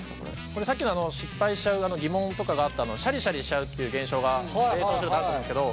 これさっきの失敗しちゃう疑問とかがあったシャリシャリしちゃうっていう現象が冷凍するとあると思うんですけど